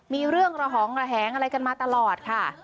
มีเรื่องระหองระแหงอะไรกันมาตลอดค่ะ